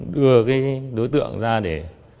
đưa đối tượng ra để